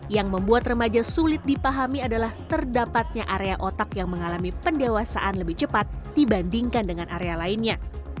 yang membuat remaja sulit dipahami adalah terdapatnya area otak yang mengalami pendewasaan lebih cepat dibandingkan dengan area lainnya